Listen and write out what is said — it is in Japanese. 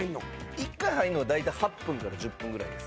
１回入んのは大体８分から１０分ぐらいです